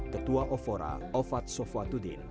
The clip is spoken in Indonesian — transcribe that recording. tetua ofora ofat sofwa tudin